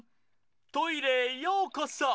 トイレへようこそ！